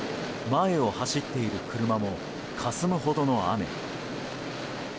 前を走っている車もかすむほどの雨。